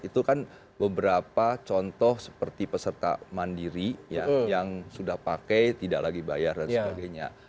itu kan beberapa contoh seperti peserta mandiri yang sudah pakai tidak lagi bayar dan sebagainya